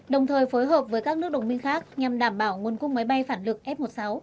đồng thời phối hợp với các nước đồng minh khác nhằm đảm bảo nguồn cung máy bay phản lực f một mươi sáu